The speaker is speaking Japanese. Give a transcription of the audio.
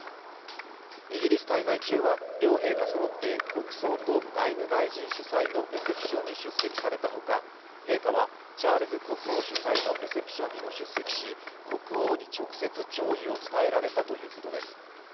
イギリス滞在中は両陛下そろって国葬と外務大臣主催のレセプションに出席されたほか、陛下はチャールズ国王主催のレセプションにも出席し国王に直接弔意を伝えられたということです。